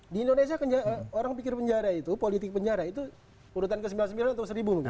di indonesia orang pikir penjara itu politik penjara itu urutan ke sembilan puluh sembilan atau seribu loh